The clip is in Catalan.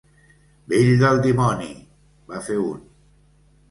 Vell del dimoni!- va fer un.